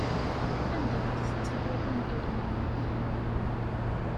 Anda ay tettaruḍ ungalen-nnek?